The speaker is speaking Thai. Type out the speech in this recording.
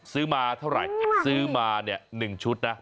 ซื้อมาเท่าไหร่ซื้อมาเนี่ย๑ชุดนะ